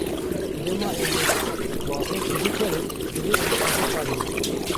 Dema em bi bapêşê bikevin, divê em xwe biparêzin.